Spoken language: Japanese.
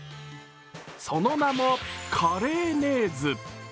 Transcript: その名もカレーネーズ。